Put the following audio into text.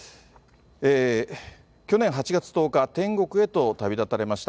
去年８月１０日、天国へと旅立たれました、